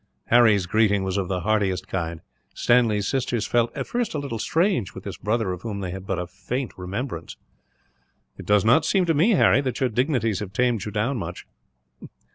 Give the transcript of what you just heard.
Harry's greeting was of the heartiest kind. Stanley's sisters felt, at first, a little strange with this brother of whom they had but a faint remembrance. "It does not seem to me, Harry, that your dignities have tamed you down much."